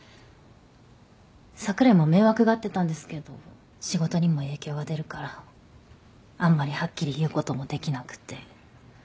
櫻井も迷惑がってたんですけど仕事にも影響が出るからあんまりはっきり言うこともできなくて。